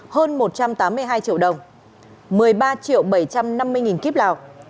hơn một trăm tám mươi hai triệu đồng một mươi ba triệu bảy trăm năm mươi nghìn kíp lào